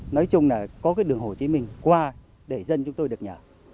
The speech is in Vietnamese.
nói chung là có cái đường hồ chí minh qua để dân chúng tôi được nhờ